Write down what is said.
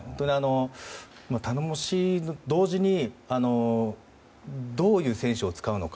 頼もしいと同時にどういう選手を使うのか。